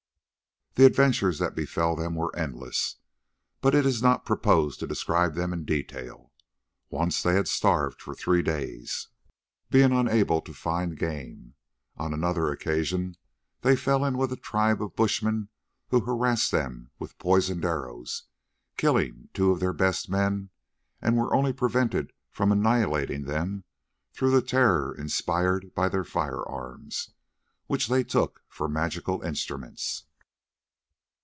The adventures that befell them were endless, but it is not proposed to describe them in detail. Once they starved for three days, being unable to find game. On another occasion they fell in with a tribe of bushmen who harassed them with poisoned arrows, killing two of their best men, and were only prevented from annihilating them through the terror inspired by their firearms, which they took for magical instruments.